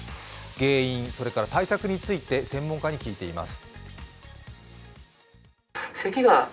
原因それから対策について専門家に聞いています。